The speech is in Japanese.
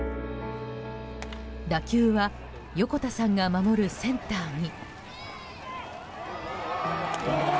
打球は横田さんが守るセンターに。